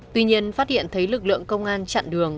tuy nhiên phát hiện thấy lực lượng công an chặn đường